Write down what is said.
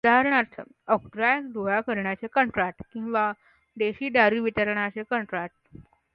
उदाहणार्थ octroi गोळा करण्याचं कंत्राट किंवा देशी दारु वितरणाचं कंत्राट.